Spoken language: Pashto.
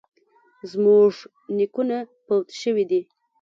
زموږ نیکونه فوت شوي دي